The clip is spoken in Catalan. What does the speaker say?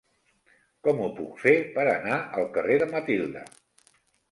Com ho puc fer per anar al carrer de Matilde?